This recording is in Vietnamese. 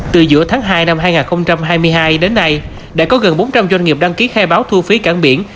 từ giữa tháng hai năm hai nghìn hai mươi hai đến nay đã có gần bốn trăm linh doanh nghiệp đăng ký khai báo thu phí cảng biển